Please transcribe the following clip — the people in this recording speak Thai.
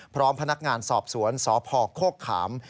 พร้อมพนักงานสอบสวนสพโคกขาม